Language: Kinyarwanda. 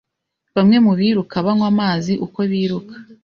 Bamwe mu biruka banywa amazi uko biruka.